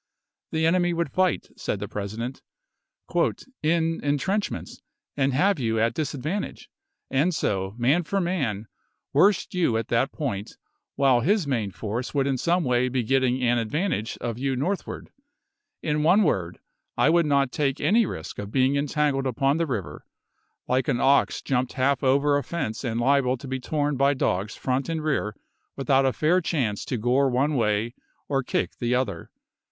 The enemy would fight, said the President, " in in trenchments, and have you at disadvantage, and so, man for man, worst you at that point, while his main force would in some way be getting an advantage of you northward. In one word, I would not take any risk of being entangled upon the river like an ox THE INVASION OF PENNSYLVANIA 205 jumped half over a fence and liable to be torn by ch. viii. dogs front and rear without a fair chance to gore t*jg$j*I one way or kick the other."